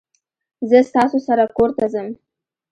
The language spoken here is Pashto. زه ستاسو سره کورته ځم